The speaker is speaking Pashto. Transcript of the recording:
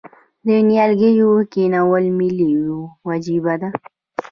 د نیالګیو کینول ملي وجیبه ده؟